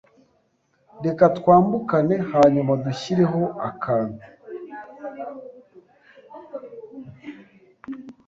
Reka twambukane hanyuma dushyireho akantu